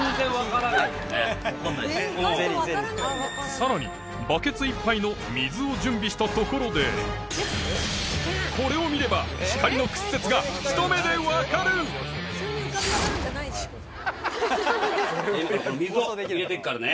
さらにバケツいっぱいの水を準備したところでこれを見れば水を入れて行くからね。